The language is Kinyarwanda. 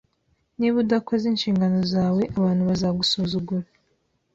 Niba udakoze inshingano zawe, abantu bazagusuzugura